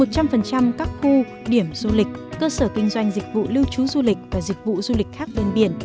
một trăm linh các khu điểm du lịch cơ sở kinh doanh dịch vụ lưu trú du lịch và dịch vụ du lịch khác bên biển